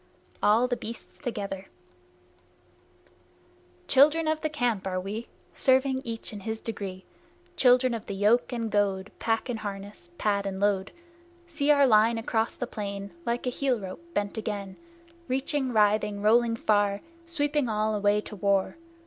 ALL THE BEASTS TOGETHER Children of the Camp are we, Serving each in his degree; Children of the yoke and goad, Pack and harness, pad and load. See our line across the plain, Like a heel rope bent again, Reaching, writhing, rolling far, Sweeping all away to war!